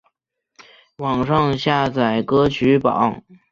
网上下载歌曲榜